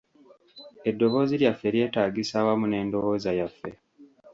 Eddoboozi lyaffe lyetaagisa awamu n’endowooza yaffe.